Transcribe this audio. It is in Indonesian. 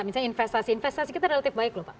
misalnya investasi investasi kita relatif baik loh pak